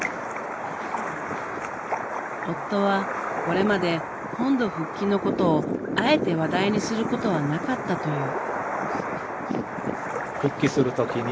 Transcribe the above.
夫はこれまで本土復帰のことをあえて話題にすることはなかったという。